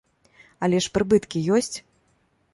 Але ж прыбыткі ёсць!